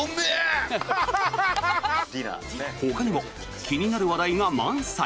ほかにも気になる話題が満載！